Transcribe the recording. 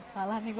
salah nih gue